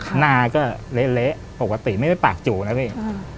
หน้าก็เละปกติไม่ได้ปากจู่นะพี่